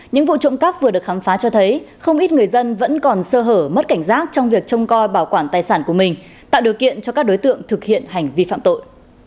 những vụ trộm cắp vừa được khám phá cho thấy không ít người dân vẫn còn sơ hở mất cảnh giác trong việc trông coi bảo quản tài sản của mình tạo điều kiện cho các đối tượng thực hiện hành vi phạm tội